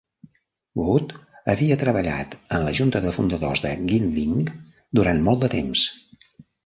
Wood havia treballat en la junta de fundadors de Ginling durant molt de temps.